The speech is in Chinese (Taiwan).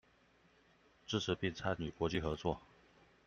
支持並參與國際合作